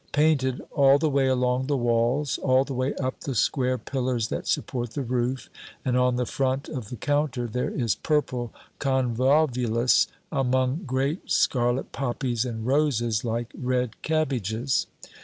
Painted all the way along the walls, all the way up the square pillars that support the roof, and on the front of the counter, there is purple convolvulus among great scarlet poppies and roses like red cabbages.